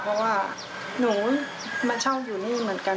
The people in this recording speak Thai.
เพราะว่าหนูมาชอบอยู่นี่เหมือนกัน